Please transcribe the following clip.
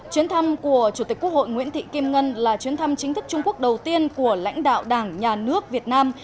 chuyến thăm của chủ tịch quốc hội nguyễn thị kim ngân là chuyến thăm chính thức trung quốc đầu tiên của lãnh đạo đảng nhà nước việt nam